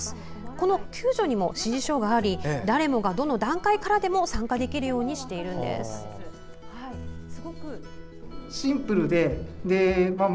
この救助にも指示書があり誰もが、どの段階からでも参加できるようにしています。